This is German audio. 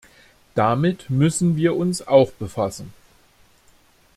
Damit müssen wir uns auch befassen.